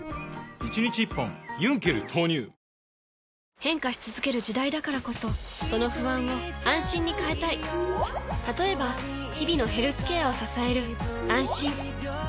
変化し続ける時代だからこそその不安を「あんしん」に変えたい例えば日々のヘルスケアを支える「あんしん」